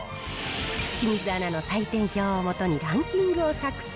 清水アナの採点表をもとにランキングを作成。